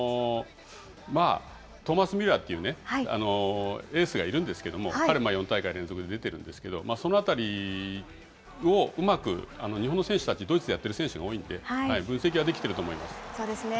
トーマス・ミュラーというエースがいるんですけれども、彼も４大会連続で出てるんですけれども、そのあたりをうまく日本の選手たち、ドイツでやっている選手が多いので、分析はできてると思いまそうですね。